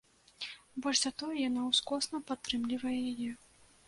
Больш за тое, яна ускосна падтрымлівае яе.